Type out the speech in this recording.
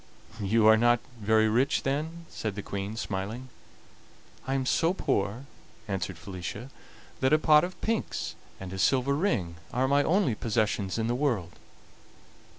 "You are not very rich, then?" said the Queen, smiling. "I am so poor," answered Felicia, "that a pot of pinks and a silver ring are my only possessions in the world."